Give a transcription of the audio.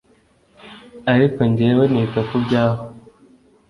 ariko jyeweho nita kubyawe